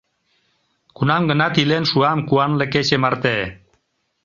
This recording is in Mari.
Кунам-гынат илен шуам Куанле кече марте.